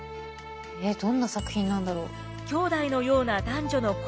どんな作品なんだろう。